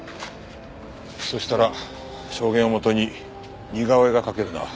そしたら証言をもとに似顔絵が描けるな。